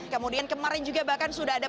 kemudian kemarin juga bahkan sudah ada